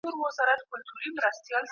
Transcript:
د لویې جرګي پرېکړه لیک څوک لولي؟